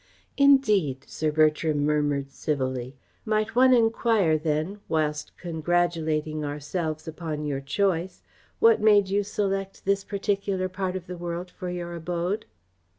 "Indeed," Sir Bertram murmured civilly. "Might one enquire then, whilst congratulating ourselves upon your choice, what made you select this particular part of the world for your abode?"